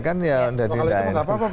kalau itu apa apa pak